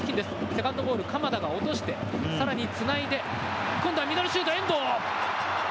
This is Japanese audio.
セカンドボール、鎌田が落として、さらにつないで、今度はミドルシュート、遠藤。